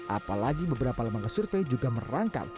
apalagi beberapa lembaga survei juga merangkam